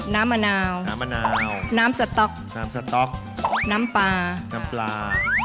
น้ำมะนาวน้ำสต๊อกน้ำปลา